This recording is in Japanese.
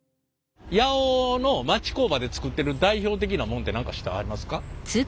八尾の町工場で作ってる代表的なもんって何か知ってはりますか？